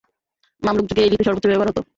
Mamluk যুগে এই লিপির সর্বোচ্চ ব্যবহার হত।